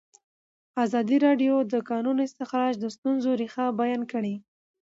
ازادي راډیو د د کانونو استخراج د ستونزو رېښه بیان کړې.